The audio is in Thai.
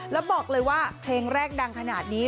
แล้วบอกเลยว่าเพลงแรกดังขนาดนี้